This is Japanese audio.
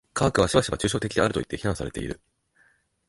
科学はしばしば抽象的であるといって非難されている。